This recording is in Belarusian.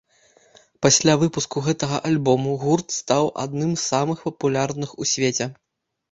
Пасля выпуску гэтага альбому гурт стаў адным з самых папулярных у свеце.